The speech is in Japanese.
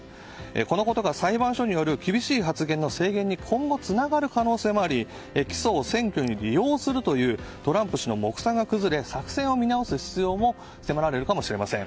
このことから裁判所による厳しい発言の制限に今後、つながる可能性もあり起訴を選挙に利用するというトランプ氏の目算が崩れ作戦を見直す必要も迫られるかもしれません。